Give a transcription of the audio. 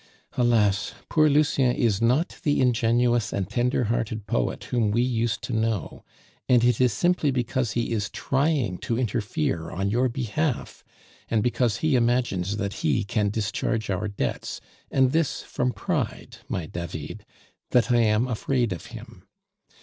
Alas! poor Lucien is not the ingenuous and tender hearted poet whom we used to know; and it is simply because he is trying to interfere on your behalf, and because he imagines that he can discharge our debts (and this from pride, my David), that I am afraid of him.